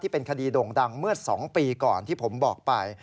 เป็นคดีโด่งดังเมื่อ๒ปีก่อนที่ผมบอกไป